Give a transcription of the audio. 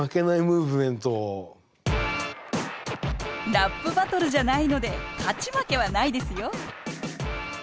ラップバトルじゃないので勝ち負けはないですよ？